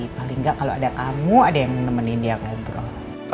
paling nggak kalau ada kamu ada yang nemenin dia ngobrol